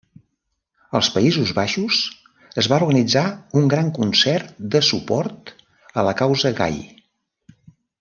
Als Països Baixos es va organitzar un gran concert de suport a la causa gai.